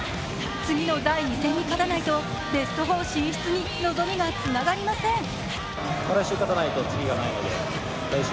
次の第２戦に勝たないとベスト４進出に望みがつながりません。